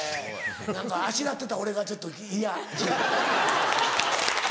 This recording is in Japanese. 何かあしらってた俺がちょっと嫌。